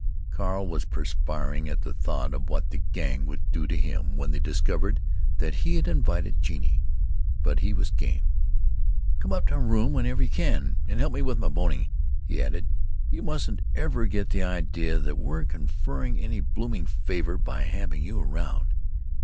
Carl was perspiring at the thought of what the Gang would do to him when they discovered that he had invited Genie. But he was game. "Come up to my room whenever you can, and help me with my boning," he added. "You mustn't ever get the idea that we're conferring any blooming favor by having you around.